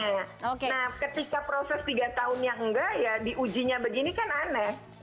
nah ketika proses tiga tahun yang enggak ya diujinya begini kan aneh